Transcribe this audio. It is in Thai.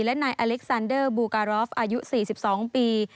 และนายอเล็กซานเดอร์บูการอฟอายุ๔๒ปี